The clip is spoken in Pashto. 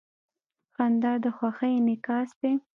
• خندا د خوښۍ انعکاس دی.